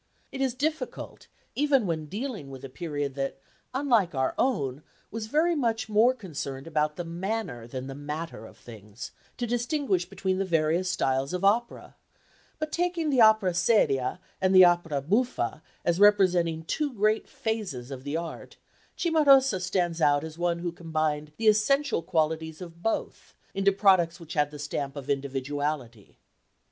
It is difficult, even when dealing with a period that, unlike our own, was very much more concerned about the manner than the matter of things, to distinguish between the various styles of opera; but taking the opera seria and the opera buffa as representing two great phases of the art, Cimarosa stands out as one who combined the essential qualities of both into products which had the stamp of individuality.